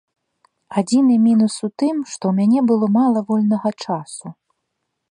Адзіны мінус у тым, што ў мяне было мала вольнага часу.